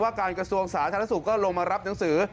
การกระทรวงสาธารณสุขก็ลงมารับหนังสือ